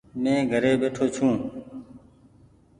مين گهري ٻيٺو ڇو۔